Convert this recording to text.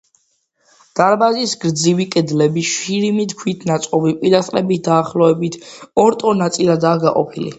დარბაზის გრძივი კედლები შირიმის ქვით ნაწყობი პილასტრებით დაახლოებით ორ ტოლ ნაწილადაა გაყოფილი.